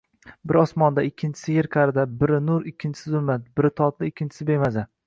Biri osmonda, ikkinchisi yer qa’rida. Biri nur, ikkinchisi zulmat. Biri totli, ikkinchisi bemaza.